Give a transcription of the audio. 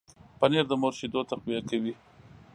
پنېر د مور شیدو تقویه کوي.